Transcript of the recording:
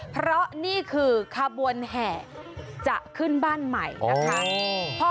เพราะนี่คือขบวนแห่จะขึ้นบ้านใหม่นะคะ